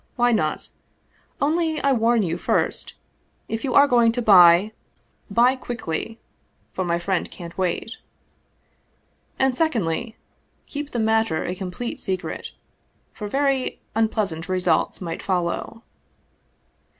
Why not ? Only I warn you, first, if you are going to buy, buy quickly, for my friend can't wait ; and secondly, keep the matter a complete secret, for very unpleasant re sults might follow."